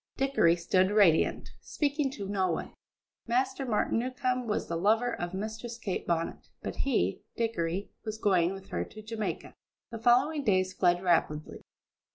Dickory stood radiant, speaking to no one. Master Martin Newcombe was the lover of Mistress Kate Bonnet, but he, Dickory, was going with her to Jamaica! The following days fled rapidly.